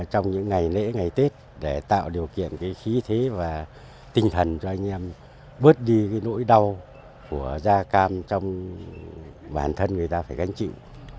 trong những ngày lễ ngày tết để tạo điều kiện khí thế và tinh thần cho anh em bớt đi nỗi đau của da cam trong bản thân người ta phải gánh chịu